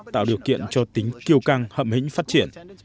tạo điều kiện cho tính kiêu căng hậm hĩnh phát triển